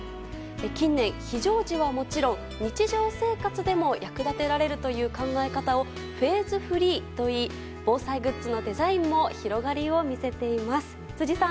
近年、非常時はもちろん日常生活でも役立てられるという考え方をフェーズフリーといい防災グッズのデザインも広がりをみせています。